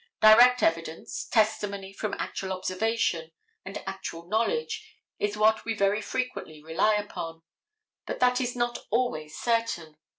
Direct evidence, testimony from actual observation and actual knowledge, is what we very frequently rely upon. But that is not always certain.